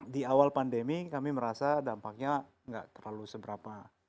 di awal pandemi kami merasa dampaknya nggak terlalu seberapa